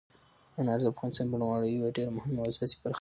انار د افغانستان د بڼوالۍ یوه ډېره مهمه او اساسي برخه ده.